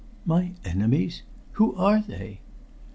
"My enemies! Who are they?"